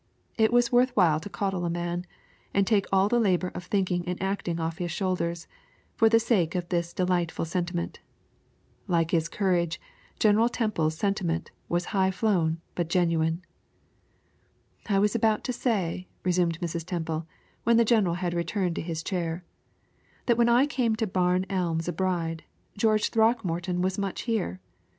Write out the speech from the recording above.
It was worth while to coddle a man, and take all the labor of thinking and acting off his shoulders, for the sake of this delightful sentiment. Like his courage, General Temple's sentiment was high flown but genuine. "I was about to say," resumed Mrs. Temple, when the general had returned to his chair, "that when I came to Barn Elms a bride, George Throckmorton was much here.